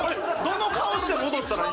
どの顔をして戻ったら。